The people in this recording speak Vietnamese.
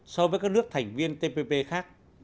so với các nước thành viên tpp khác